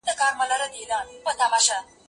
سینه سپينه کړه،